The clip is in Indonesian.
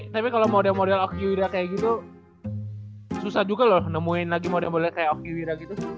tapi kalo model model okiwira kayak gitu susah juga loh nemuin lagi model modelnya kayak okiwira gitu